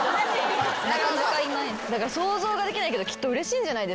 想像ができないけどきっとうれしいんじゃないですかね